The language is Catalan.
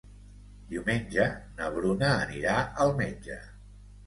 Diumenge na Bruna anirà al metge.